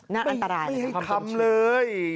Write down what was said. ไม่ให้ทำเลย